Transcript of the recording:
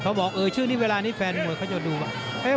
บอกชื่อนี้เวลานี้แฟนมวยเขาจะดู